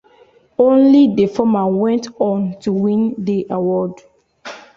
Only the former went on to win the award.